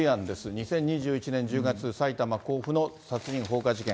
２０２１年１０月、甲府の殺人放火事件。